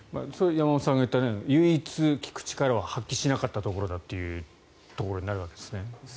山本さんが言った唯一、聞く力を発揮しなかったところだということになるわけですね。